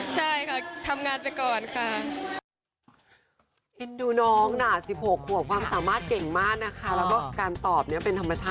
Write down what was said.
ใช่ค่ะทำงานไปก่อนค่ะ